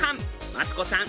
マツコさん